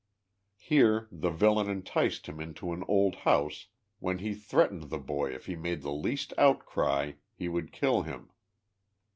Here the villian enticed him into an old house when he threatened the boy if he made the least outciy he would kill him.